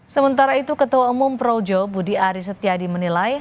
sementara itu ketua umum projo budi aris setiadi menilai